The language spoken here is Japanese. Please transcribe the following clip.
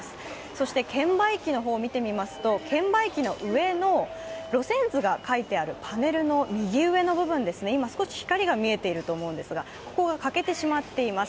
そして券売機の方見てみますと券売機の上の路線図が書いてあるパネルの右上の部分ですね、今、少し光が見えていると思うんですが、ここが欠けてしまっています。